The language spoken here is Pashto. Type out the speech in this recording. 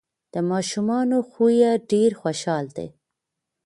د ماشومانو خوی یې ډیر خوشحال دی.